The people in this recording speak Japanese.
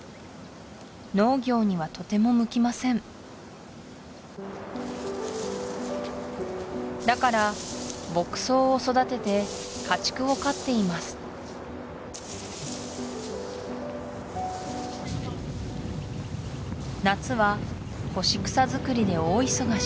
農業にはとても向きませんだから牧草を育てて家畜を飼っています夏は干し草作りで大忙し